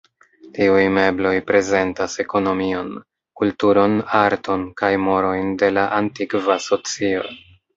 Tiuj mebloj prezentas ekonomion, kulturon, arton kaj morojn de la antikva socio.